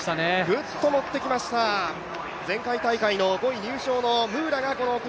グッともってきました、前回大会５位入賞のムーラがこの組